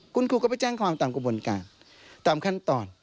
คุณครูก็ไปแจ้งความตามกระบวนการตามขั้นตอน